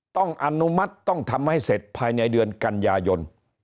ต้องอนุมัติต้องทำให้เสร็จภายในเดือนกันยายน